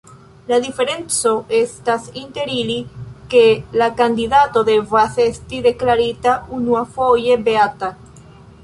La diferenco estas inter ili, ke la kandidato devas esti deklarita unuafoje beata.